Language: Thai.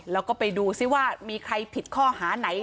แล้วก็ไปดูซิว่ามีใครผิดข้อหาไหน